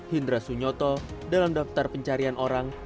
hindra sunyoto dalam daftar pencarian orang